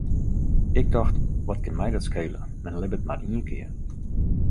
Ik tocht, wat kin my dat skele, men libbet mar ien kear.